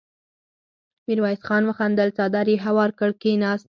ميرويس خان وخندل، څادر يې هوار کړ، کېناست.